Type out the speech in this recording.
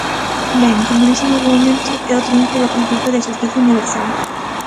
Ben, como dixen nalgún momento é o triunfo do principio de xustiza universal.